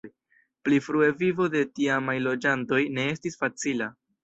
Pli frue vivo de tiamaj loĝantoj ne estis facila.